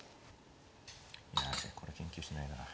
いやこれ研究してないから。